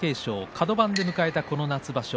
カド番で迎えた、この夏場所。